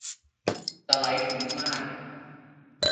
สไลด์คุ้นมาก